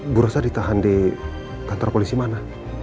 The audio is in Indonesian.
bu rosa ditahan di kantor polisi mana